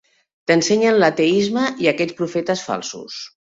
T'ensenyen l'ateisme i aquests profetes falsos.